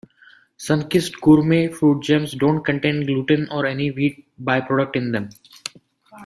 Sunkist Gourmet Fruit Gems don't contain Gluten, or any wheat by-product in them.